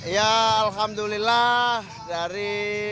ya alhamdulillah dari satu